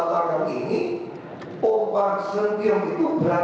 dari bagianan rumah